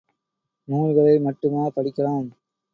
நூல்களை மட்டுமா படிக்கலாம்?